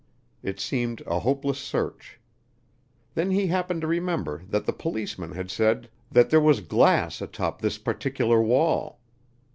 It seemed a hopeless search. Then he happened to remember that the policeman had said that there was glass atop this particular wall.